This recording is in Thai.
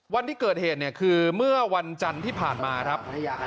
วันที่เกิดเหตุเนี่ยคือเมื่อวันจันทร์ที่ผ่านมาครับ